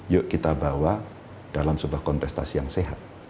yuk kita bawa dalam sebuah kontestasi yang sehat